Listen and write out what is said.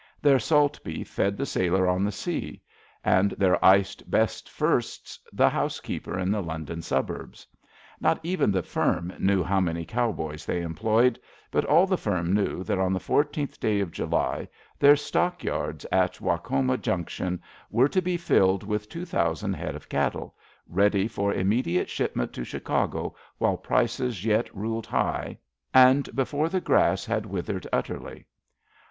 Their salt beef fed the sailor on the sea, and their iced, best firsts, the house keeper in the London suburbs. Not even the firm knew how many cowboys they employed, but all the firm knew that on the fourteenth day of July their stockyards at Wachoma Junction were to be 50 ABAFT THE FUNNEL filled with two thousand head of cattle, ready for immediate shipment to Chicago while prices yet ruled high, and before the grass had withered utterly.